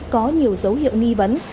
có nhiều dấu hiệu nghi vấn